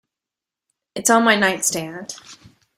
It's on my nightstand.